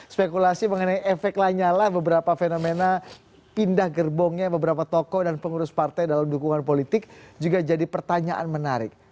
spekulasi mengenai efek lanyala beberapa fenomena pindah gerbongnya beberapa tokoh dan pengurus partai dalam dukungan politik juga jadi pertanyaan menarik